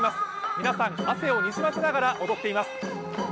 皆さん、汗をにじませながら踊っています。